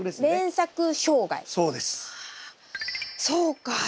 そうか。